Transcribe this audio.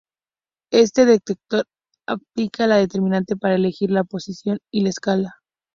Este detector aplica el determinante para elegir la posición y la escala.